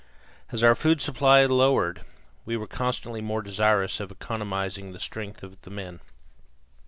As our food supply lowered we were constantly more desirous of economizing the strength of the men.